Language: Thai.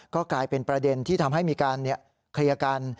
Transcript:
ก็กลายเป็นประเด็นที่ทำให้มีการเคลียร์กัน